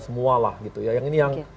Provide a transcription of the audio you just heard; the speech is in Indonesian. semua lah gitu ya yang ini yang